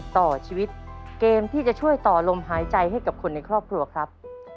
ต่อชีวิตเกมที่จะช่วยต่อลมหายใจให้กับคนในครอบครัวครับ